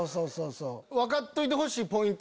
分かっといてほしいポイント